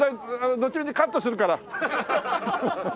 どっちみちカットするから。